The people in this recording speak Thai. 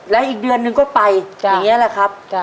แล้วอีกเดือนนึงก็ไปอย่างนี้แหละครับ